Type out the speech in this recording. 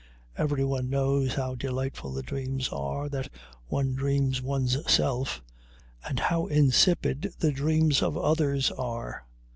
Everyone knows how delightful the dreams are that one dreams one's self, and how insipid the dreams of others are.